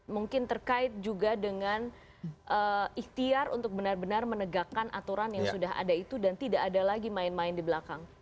mungkin terkait juga dengan ikhtiar untuk benar benar menegakkan aturan yang sudah ada itu dan tidak ada lagi main main di belakang